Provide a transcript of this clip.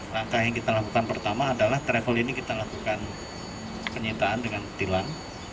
langkah yang kita lakukan pertama adalah travel ini kita lakukan penyitaan dengan tilang